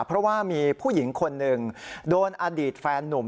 เพราะว่ามีผู้หญิงคนหนึ่งโดนอดีตแฟนนุ่ม